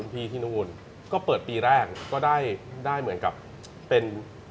อเจมส์ก็เปิดปีแรกก็ได้เหมือนกับเป็น